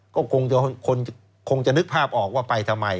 ก็คงจะนึกภาพออกว่าไปทำไม